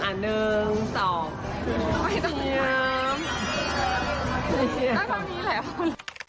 ต้องต้องนี้แหละ